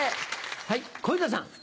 はい小遊三さん。